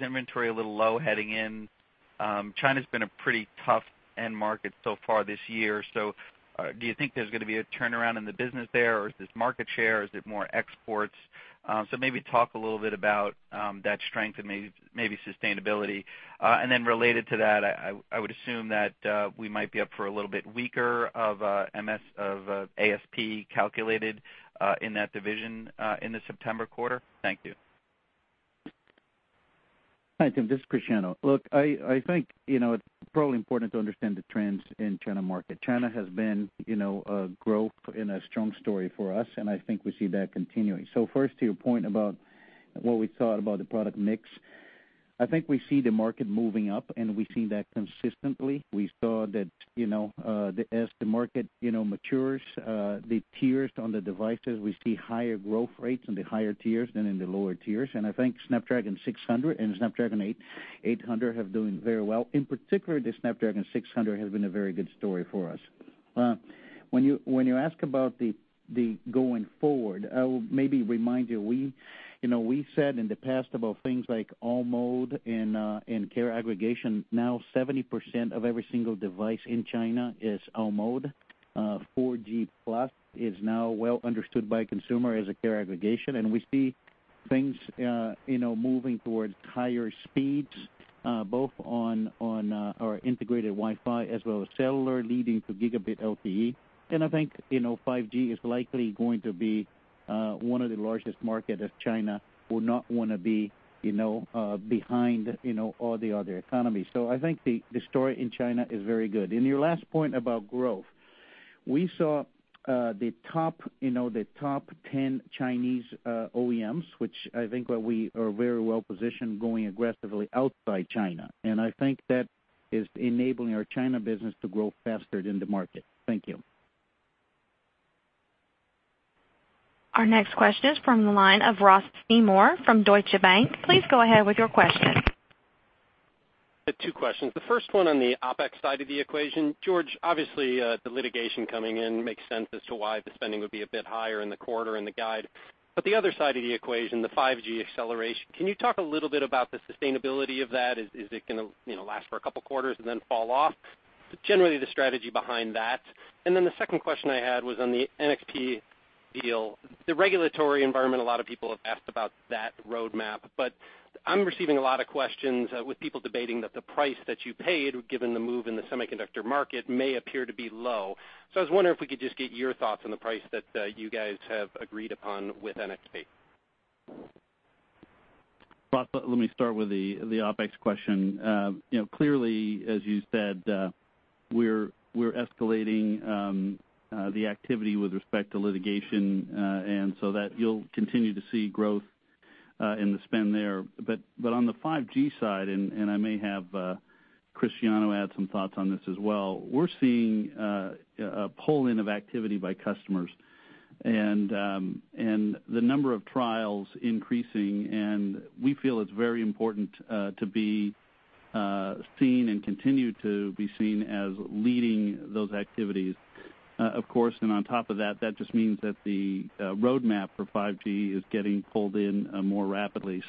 inventory a little low heading in? China's been a pretty tough end market so far this year. Do you think there's going to be a turnaround in the business there, or is this market share? Is it more exports? Maybe talk a little bit about that strength and maybe sustainability. Then related to that, I would assume that we might be up for a little bit weaker of ASP calculated in that division in the September quarter. Thank you. Hi, Tim. This is Cristiano. I think it's probably important to understand the trends in China market. China has been growth and a strong story for us, I think we see that continuing. First, to your point about what we thought about the product mix, I think we see the market moving up, and we see that consistently. We saw that as the market matures, the tiers on the devices, we see higher growth rates in the higher tiers than in the lower tiers. I think Snapdragon 600 and Snapdragon 800 have doing very well. In particular, the Snapdragon 600 has been a very good story for us. When you ask about the going forward, I will maybe remind you, we said in the past about things like all mode and carrier aggregation. Now 70% of every single device in China is all mode. 4G+ is now well understood by consumer as a carrier aggregation, we see things moving towards higher speeds both on our integrated Wi-Fi as well as cellular leading to Gigabit LTE. I think 5G is likely going to be one of the largest market as China would not want to be behind all the other economies. I think the story in China is very good. In your last point about growth, we saw the top 10 Chinese OEMs, which I think where we are very well positioned going aggressively outside China. I think that is enabling our China business to grow faster than the market. Thank you. Our next question is from the line of Ross Seymore from Deutsche Bank. Please go ahead with your question. Two questions. The first one on the OpEx side of the equation. George, obviously, the litigation coming in makes sense as to why the spending would be a bit higher in the quarter and the guide. The other side of the equation, the 5G acceleration, can you talk a little bit about the sustainability of that? Is it going to last for a couple of quarters and then fall off? Generally, the strategy behind that. The second question I had was on the NXP deal, the regulatory environment, a lot of people have asked about that roadmap, I'm receiving a lot of questions with people debating that the price that you paid, given the move in the semiconductor market, may appear to be low. I was wondering if we could just get your thoughts on the price that you guys have agreed upon with NXP. Ross, let me start with the OpEx question. Clearly, as you said, we're escalating the activity with respect to litigation, you'll continue to see growth in the spend there. On the 5G side, I may have Cristiano add some thoughts on this as well, we're seeing a pull-in of activity by customers and the number of trials increasing, and we feel it's very important to be seen and continue to be seen as leading those activities. Of course, on top of that just means that the roadmap for 5G is getting pulled in more rapidly.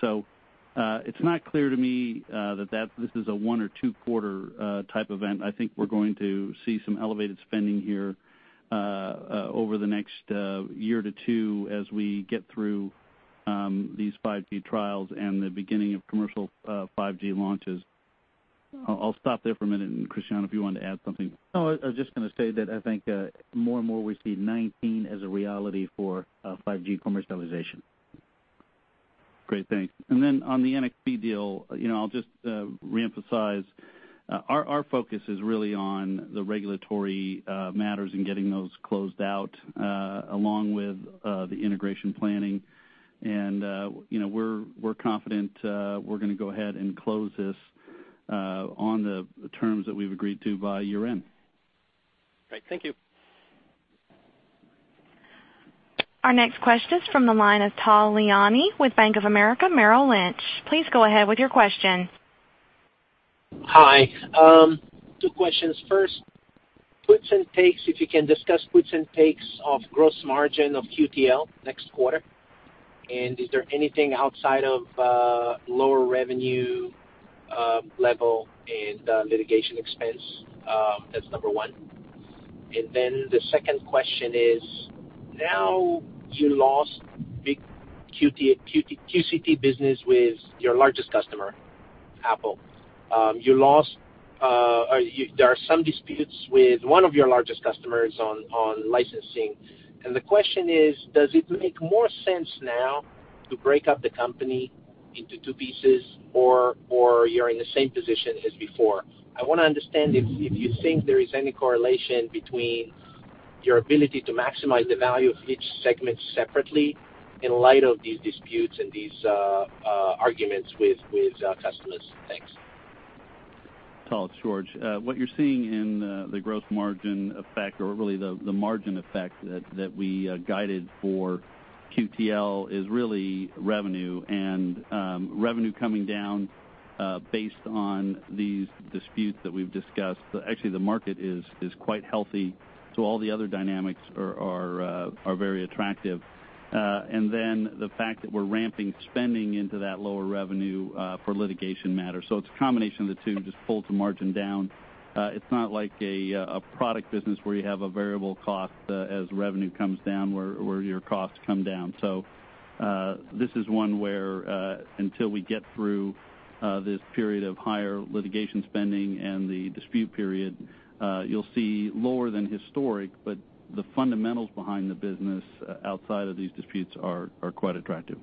It's not clear to me that this is a one or two-quarter type event. I think we're going to see some elevated spending here over the next year to two as we get through these 5G trials and the beginning of commercial 5G launches. I'll stop there for a minute, Cristiano, if you want to add something. No, I was just going to say that I think more and more we see 2019 as a reality for 5G commercialization. Great. Thanks. On the NXP deal, I'll just reemphasize, our focus is really on the regulatory matters and getting those closed out, along with the integration planning. We're confident we're going to go ahead and close this on the terms that we've agreed to by year-end. Great. Thank you. Our next question is from the line of Tal Liani with Bank of America Merrill Lynch. Please go ahead with your question. Hi. Two questions. First, puts and takes, if you can discuss puts and takes of gross margin of QTL next quarter. Is there anything outside of lower revenue level and litigation expense? That's number 1. Then the second question is, now you lost big QCT business with your largest customer, Apple. There are some disputes with one of your largest customers on licensing. The question is, does it make more sense now to break up the company into two pieces, or you're in the same position as before? I want to understand if you think there is any correlation between your ability to maximize the value of each segment separately in light of these disputes and these arguments with customers. Thanks. Tal, it's George. What you're seeing in the gross margin effect or really the margin effect that we guided for QTL is really revenue, and revenue coming down based on these disputes that we've discussed. Actually, the market is quite healthy, so all the other dynamics are very attractive. The fact that we're ramping spending into that lower revenue for litigation matters. It's a combination of the two, just pulls the margin down. It's not like a product business where you have a variable cost as revenue comes down, where your costs come down. This is one where until we get through this period of higher litigation spending and the dispute period, you'll see lower than historic, but the fundamentals behind the business outside of these disputes are quite attractive.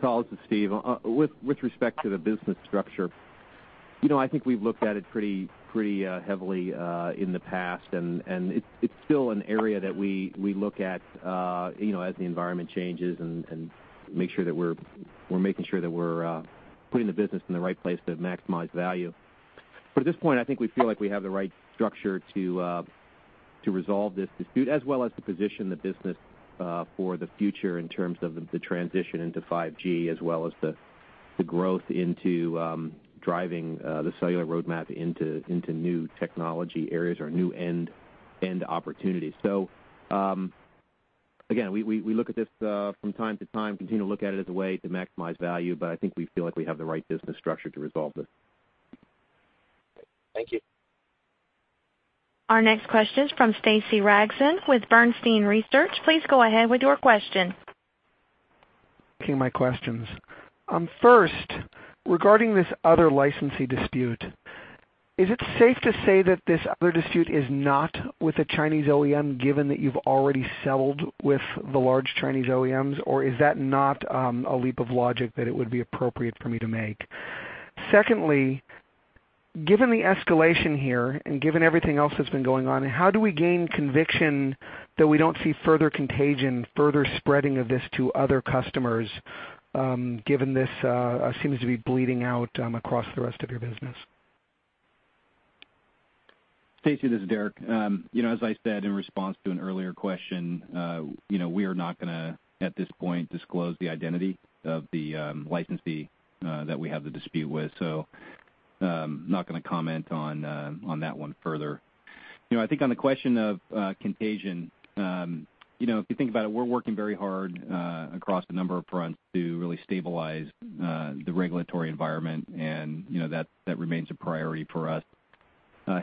Tal, this is Steve. With respect to the business structure, I think we've looked at it pretty heavily in the past, and it's still an area that we look at as the environment changes and make sure that we're putting the business in the right place to maximize value. At this point, I think we feel like we have the right structure to resolve this dispute as well as to position the business for the future in terms of the transition into 5G as well as the growth into driving the cellular roadmap into new technology areas or new end opportunities. Again, we look at this from time to time, continue to look at it as a way to maximize value, but I think we feel like we have the right business structure to resolve this. Thank you. Our next question is from Stacy Rasgon with Bernstein Research. Please go ahead with your question. Two of my questions. First, regarding this other licensee dispute, is it safe to say that this other dispute is not with a Chinese OEM, given that you've already settled with the large Chinese OEMs? Or is that not a leap of logic that it would be appropriate for me to make? Given the escalation here and given everything else that's been going on, how do we gain conviction that we don't see further contagion, further spreading of this to other customers, given this seems to be bleeding out across the rest of your business? Stacy, this is Derek. As I said in response to an earlier question, we are not going to, at this point, disclose the identity of the licensee that we have the dispute with. Not going to comment on that one further. I think on the question of contagion, if you think about it, we're working very hard across a number of fronts to really stabilize the regulatory environment, and that remains a priority for us.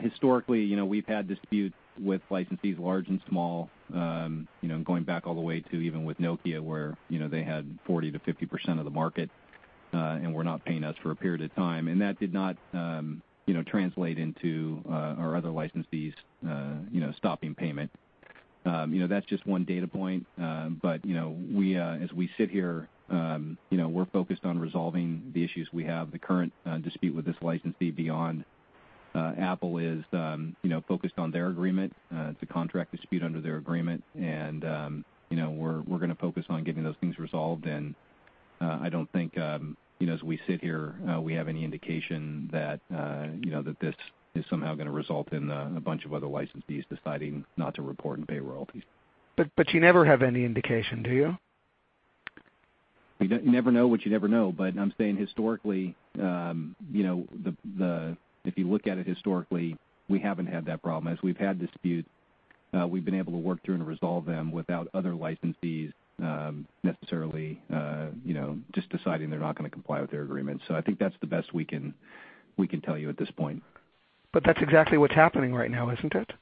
Historically, we've had disputes with licensees large and small, going back all the way to even with Nokia, where they had 40%-50% of the market and were not paying us for a period of time. That did not translate into our other licensees stopping payment. That's just one data point, as we sit here, we're focused on resolving the issues we have. The current dispute with this licensee beyond Apple is focused on their agreement. It's a contract dispute under their agreement, we're going to focus on getting those things resolved, I don't think, as we sit here, we have any indication that this is somehow going to result in a bunch of other licensees deciding not to report and pay royalties. You never have any indication, do you? You never know what you never know, I'm saying historically, if you look at it historically, we haven't had that problem. As we've had disputes, we've been able to work through and resolve them without other licensees necessarily just deciding they're not going to comply with their agreement. I think that's the best we can tell you at this point. That's exactly what's happening right now, isn't it?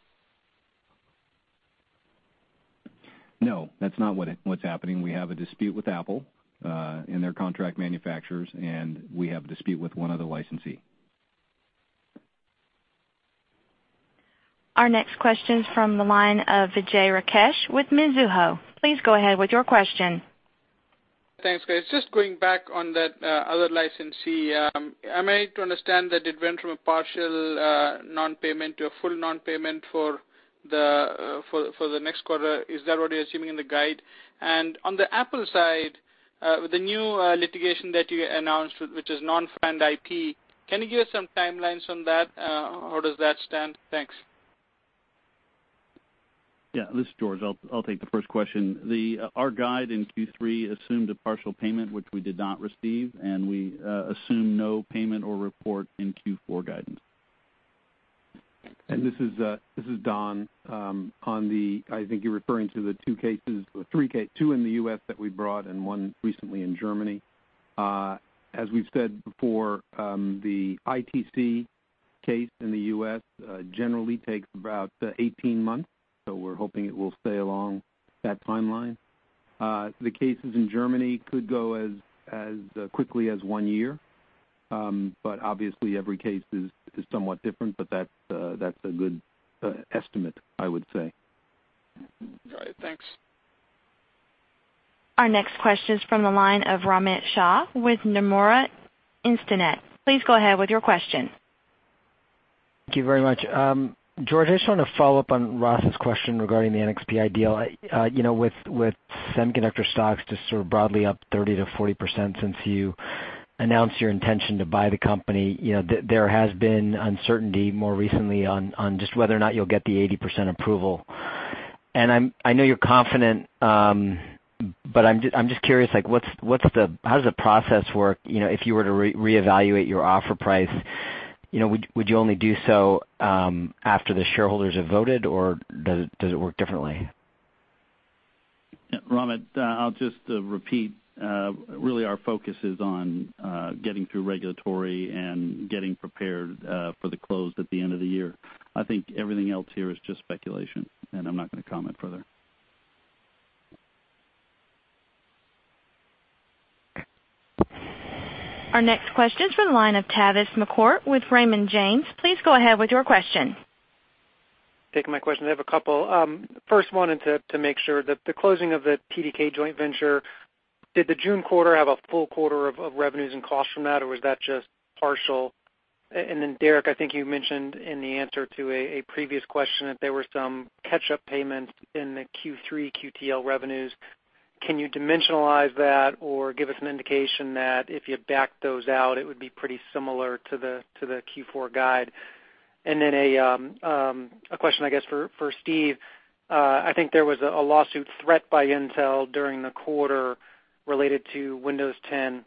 No, that's not what's happening. We have a dispute with Apple and their contract manufacturers, and we have a dispute with one other licensee. Our next question is from the line of Vijay Rakesh with Mizuho. Please go ahead with your question. Thanks, guys. Just going back on that other licensee. Am I to understand that it went from a partial non-payment to a full non-payment for the next quarter? Is that what you're assuming in the guide? On the Apple side, with the new litigation that you announced, which is non-FRAND IP, can you give us some timelines on that? How does that stand? Thanks. Yeah, this is George. I'll take the first question. Our guide in Q3 assumed a partial payment which we did not receive, and we assume no payment or report in Q4 guidance. This is Don. I think you're referring to the two cases, or three cases, two in the U.S. that we brought and one recently in Germany. As we've said before, the ITC case in the U.S. generally takes about 18 months, so we're hoping it will stay along that timeline. The cases in Germany could go as quickly as one year. Obviously every case is somewhat different, but that's a good estimate, I would say. Got it. Thanks. Our next question is from the line of Romit Shah with Nomura Instinet. Please go ahead with your question. Thank you very much. George, I just want to follow up on Ross's question regarding the NXP deal. With semiconductor stocks just sort of broadly up 30%-40% since you announced your intention to buy the company, there has been uncertainty more recently on just whether or not you'll get the 80% approval. I know you're confident, but I'm just curious, how does the process work if you were to reevaluate your offer price? Would you only do so after the shareholders have voted or does it work differently? Yeah, Romit, I'll just repeat. Really our focus is on getting through regulatory and getting prepared for the close at the end of the year. I think everything else here is just speculation, I'm not going to comment further. Our next question is from the line of Tavis McCourt with Raymond James. Please go ahead with your question. Thank you for taking my question. I have a couple. First, wanted to make sure that the closing of the TDK joint venture, did the June quarter have a full quarter of revenues and costs from that, or was that just partial? Derek, I think you mentioned in the answer to a previous question that there were some catch-up payments in the Q3 QTL revenues. Can you dimensionalize that or give us an indication that if you backed those out, it would be pretty similar to the Q4 guide? A question, I guess, for Steve. I think there was a lawsuit threat by Intel during the quarter related to Windows 10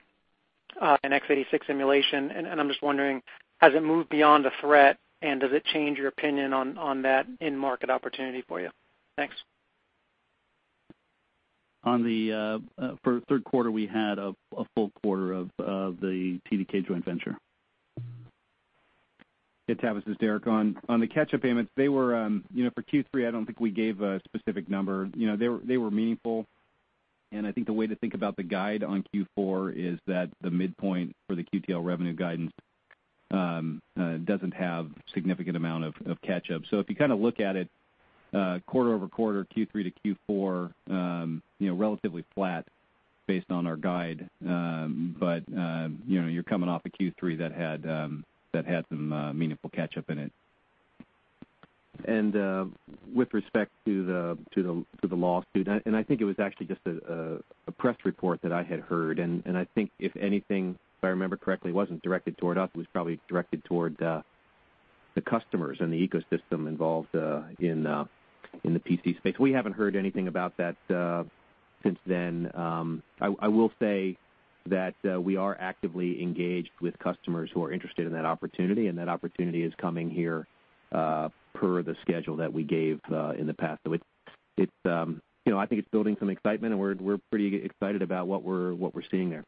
and x86 emulation, and I'm just wondering, has it moved beyond a threat, and does it change your opinion on that end-market opportunity for you? Thanks. For third quarter, we had a full quarter of the TDK joint venture. Hey, Tavis, this is Derek. On the catch-up payments, for Q3, I don't think we gave a specific number. They were meaningful, and I think the way to think about the guide on Q4 is that the midpoint for the QTL revenue guidance doesn't have significant amount of catch-up. If you look at it quarter-over-quarter, Q3 to Q4, relatively flat based on our guide. You're coming off a Q3 that had some meaningful catch-up in it. With respect to the lawsuit, and I think it was actually just a press report that I had heard, and I think if anything, if I remember correctly, it wasn't directed toward us. It was probably directed toward the customers and the ecosystem involved in the PC space. We haven't heard anything about that since then. I will say that we are actively engaged with customers who are interested in that opportunity. That opportunity is coming here per the schedule that we gave in the past. I think it's building some excitement. We're pretty excited about what we're seeing there.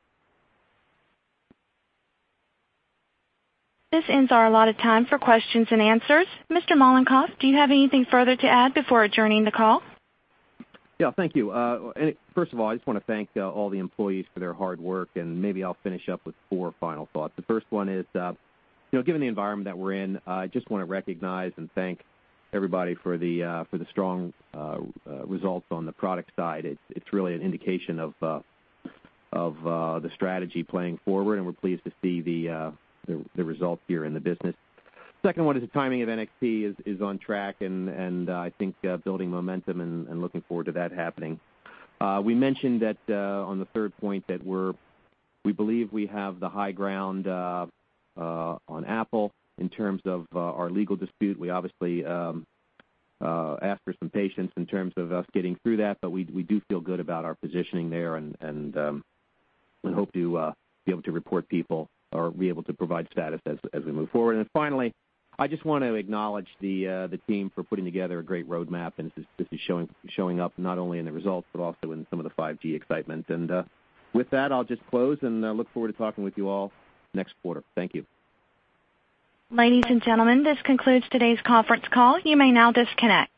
This ends our allotted time for questions and answers. Mr. Mollenkopf, do you have anything further to add before adjourning the call? Yeah, thank you. First of all, I just want to thank all the employees for their hard work. Maybe I'll finish up with four final thoughts. The first one is given the environment that we're in, I just want to recognize and thank everybody for the strong results on the product side. It's really an indication of the strategy playing forward. We're pleased to see the results here in the business. Second one is the timing of NXP is on track and I think building momentum and looking forward to that happening. We mentioned that on the third point that we believe we have the high ground on Apple in terms of our legal dispute. We obviously ask for some patience in terms of us getting through that. We do feel good about our positioning there. We hope to be able to report people or be able to provide status as we move forward. Finally, I just want to acknowledge the team for putting together a great roadmap. This is showing up not only in the results but also in some of the 5G excitement. With that, I'll just close and look forward to talking with you all next quarter. Thank you. Ladies and gentlemen, this concludes today's conference call. You may now disconnect.